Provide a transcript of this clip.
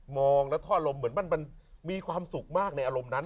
มองแล้วท่อลมเหมือนมันมีความสุขมากในอารมณ์นั้น